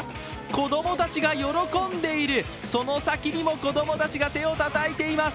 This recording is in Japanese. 子供たちが喜んでいる、その先にも子供たちが手をたたいています。